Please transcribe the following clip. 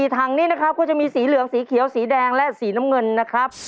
ถังนี้นะครับก็จะมีสีเหลืองสีเขียวสีแดงและสีน้ำเงินนะครับ